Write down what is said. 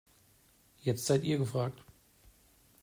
Jetzt seid ihr gefragt.